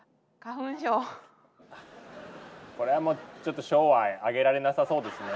これはもうちょっと賞はあげられなさそうですね。